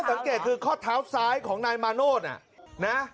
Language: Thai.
ถ้าสังเกตคือข้อเท้าสายของนายมาโนตอ่ะ